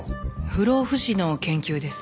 不老不死の研究です。